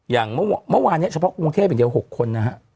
อย่างเมื่อวานนี้เฉพาะกรุงเทพอย่างเดียว๖คนนะฮะ